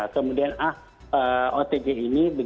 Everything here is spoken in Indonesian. kemudian otg ini